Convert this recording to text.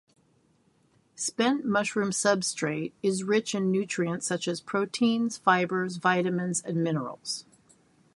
Spent mushroom substrate is rich in nutrients such as proteins, fibers, vitamins, and minerals.